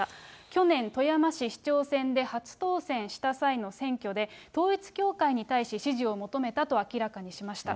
去年、富山市市長選で初当選した際の選挙で、統一教会に対し支持を求めたと明らかにしました。